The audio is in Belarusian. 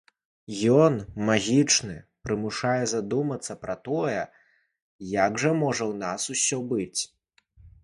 Ён магічны, ён прымушае задумацца пра тое, як жа можа ў нас усё быць.